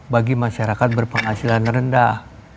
bagi masyarakat berpenghasilan rendah